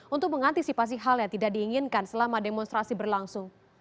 untuk mengantisipasi hal yang tidak diinginkan selama demonstrasi berlangsung